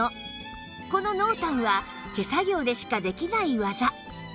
この濃淡は手作業でしかできない技